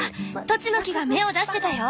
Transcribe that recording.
トチノキが芽を出してたよ！